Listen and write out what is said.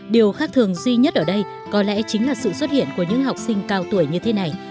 điều khác thường duy nhất ở đây có lẽ chính là sự xuất hiện của những học sinh cao tuổi như thế này